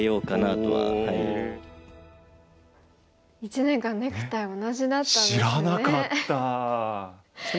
１年間ネクタイ同じだったんですね。